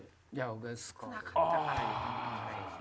俺少なかったから。